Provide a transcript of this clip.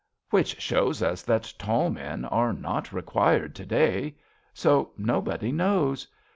Which shows us that tall men are not required To day. So nobody knows.